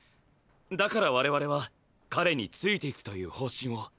だから我々は「彼についていく」という方針を。